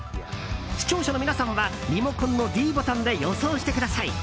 視聴者の皆さんはリモコンのｄボタンで予想してください。